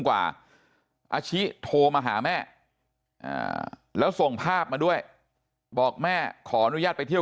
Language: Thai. อาชิโทรมาหาแม่แล้วส่งภาพมาด้วยบอกแม่ขออนุญาตไปเที่ยว